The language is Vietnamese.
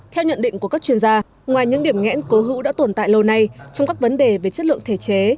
theo nhận định của các chuyên gia ngoài những điểm ngẽn cố hữu đã tồn tại lâu nay trong các vấn đề về chất lượng thể chế